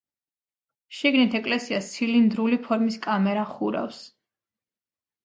შიგნით ეკლესიას ცილინდრული ფორმის კამარა ხურავს.